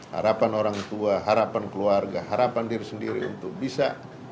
harapan orang tua harapan keluarga harapan diri sendiri untuk bisa